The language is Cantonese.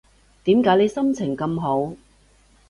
點解你心情咁好